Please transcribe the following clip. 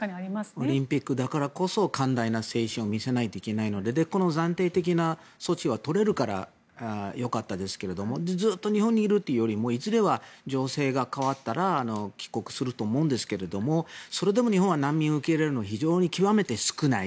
オリンピックだからこそ寛大な精神を見せないといけないのでこの暫定的な措置は取れるからよかったですがずっと日本にいるというよりもいずれ情勢が変わったら帰国すると思うんですけどそれでも日本は難民を受け入れるの非常に極めて少ない。